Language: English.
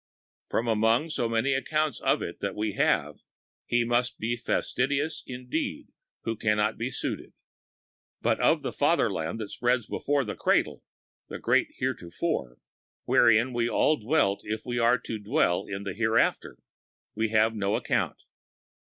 From among so many accounts of it that we have, he must be fastidious indeed who can not be suited. But of the Fatherland that spreads before the cradle—the great Heretofore, wherein we all dwelt if we are to dwell in the Hereafter, we have no account.